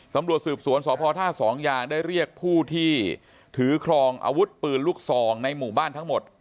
ตำรวจสืบสวนสพท่าสองยางได้เรียกผู้ที่ถือครองอาวุธปืนลูกซองในหมู่บ้านทั้งหมด